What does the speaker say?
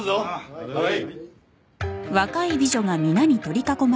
はい。